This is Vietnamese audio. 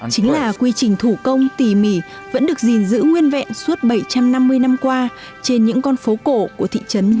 chính là quy trình thủ công tỉ mỉ vẫn được gìn giữ nguyên vẹn suốt bảy trăm năm mươi năm qua trên những con phố cổ của thị trấn